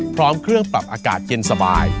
พร้อมเครื่องปรับอากาศเย็นสบาย